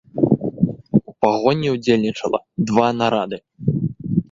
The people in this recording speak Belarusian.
У пагоні ўдзельнічала два нарады.